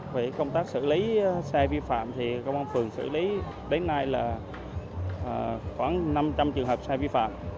về công tác xử lý xe vi phạm thì công an phường xử lý đến nay là khoảng năm trăm linh trường hợp sai vi phạm